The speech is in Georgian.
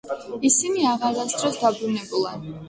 ისინი აღარასდროს დაბრუნებულან.